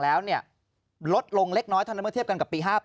ลดลงเล็กน้อยเทียบกับปี๕๘